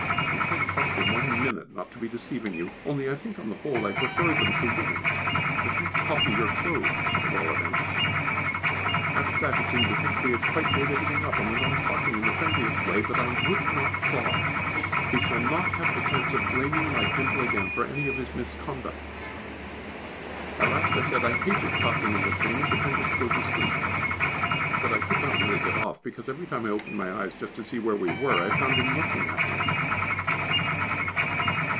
You can't trust them one minute not to be deceiving you, only I think on the whole I prefer them to women, they can't copy your clothes at all events. After that he seemed to think we had quite made everything up, and went on talking in the friendliest way, but I would not thaw; he shall not have the chance of blaming my dimple again for any of his misconduct! At last I said I hated talking in the train, and pretended to go to sleep. But I could not get really off, because every time I opened my eyes just to see where we were, I found him looking at me.